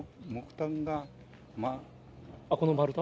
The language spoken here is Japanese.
この丸太？